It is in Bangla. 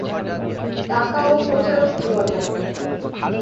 টাকা ও প্রচারক যোগাড় কর।